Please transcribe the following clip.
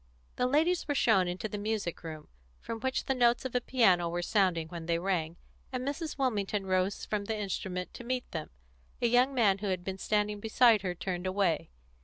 The ladies were shown into the music room, from which the notes of a piano were sounding when they rang, and Mrs. Wilmington rose from the instrument to meet them. A young man who had been standing beside her turned away.